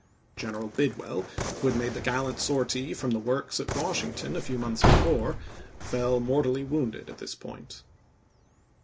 General Bidwell, who had made the gallant sortie from the works at Washington a few months before, fell mortally wounded at this point.